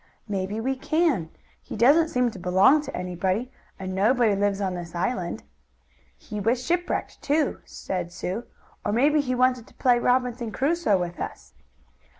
"Maybe we can. He doesn't seem to belong to anybody, and nobody lives on this island." "He was shipwrecked too," said Sue. "Or maybe he wanted to play Robinson Crusoe with us."